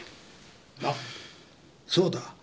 あっそうだ。